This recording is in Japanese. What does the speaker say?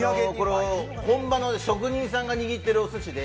本場の職人さんが握っているお寿司で